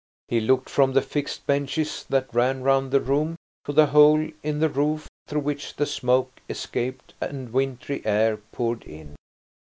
He looked from the fixed benches that ran round the room to the hole in the roof, through which the smoke escaped and wintry air poured in.